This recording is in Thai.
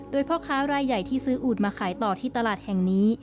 โดยพ่อค้ารายใหญ่ที่ซื้ออูดมาขายต่อที่ตลาดแห่งนี้